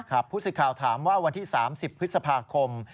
ผู้สื่อข่าวถามว่าวันที่๓๐พฤษภาคม